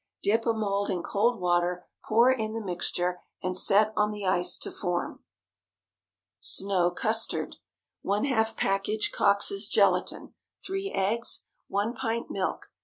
Dip a mould in cold water, pour in the mixture, and set on the ice to form. SNOW CUSTARD. ✠ ½ package Coxe's gelatine. 3 eggs. 1 pint milk.